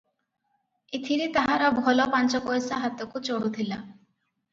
ଏଥିରେ ତାହାର ଭଲ ପାଞ୍ଚପଇସା ହାତକୁ ଚଢୁଥିଲା ।